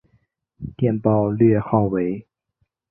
电报略号为。